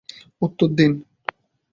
উত্তর দিন।